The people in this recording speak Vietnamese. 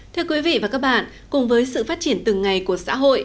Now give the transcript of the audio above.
thưa quý vị và các bạn cùng với sự phát triển từng ngày của xã hội